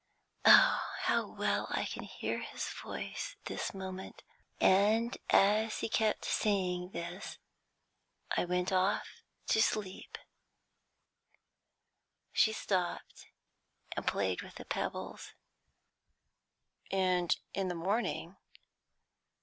Oh, how well I can hear his voice this moment! And as he kept saying this, I went off to sleep." She stopped, and played with the pebbles. "And in the morning?"